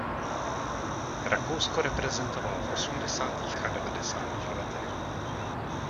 Rakousko reprezentoval v osmdesátých a devadesátých letech.